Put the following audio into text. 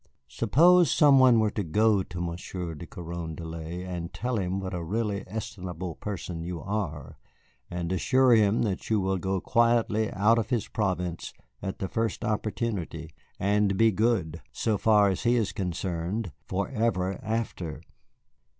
Suppose some one were to go to Monsieur de Carondelet and tell him what a really estimable person you are, and assure him that you will go quietly out of his province at the first opportunity, and be good, so far as he is concerned, forever after?